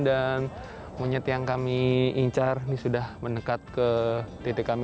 dan monyet yang kami incar ini sudah mendekat ke titik kami